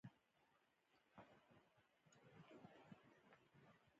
افغانستان د سیلاني ځایونو له پلوه ځانګړتیاوې لري.